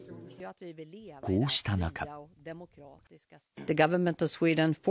こうした中。